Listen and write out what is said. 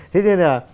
thế nên là